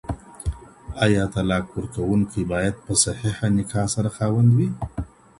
آیا طلاق ورکوونکی باید په صحيحه نکاح سره خاوند وي؟